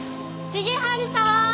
重治さん！